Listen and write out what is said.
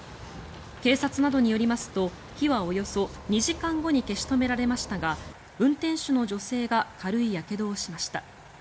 警察などによりますと火はおよそ２時間後に消し止められましたが運転手の女性が軽いやけどをしました。